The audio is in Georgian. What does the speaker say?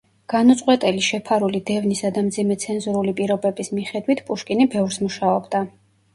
განუწყვეტელი შეფარული დევნისა და მძიმე ცენზურული პირობების მიხედვით, პუშკინი ბევრს მუშაობდა.